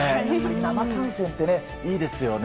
生観戦っていいですよね。